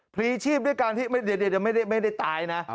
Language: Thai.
พลีชีพด้วยการที่ไม่ได้ตายนะ